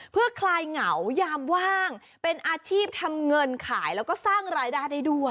เพื่อคลายเหงายามว่างเป็นอาชีพทำเงินขายแล้วก็สร้างรายได้ได้ด้วย